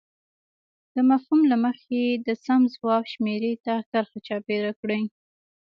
د مفهوم له مخې د سم ځواب شمیرې ته کرښه چاپېر کړئ.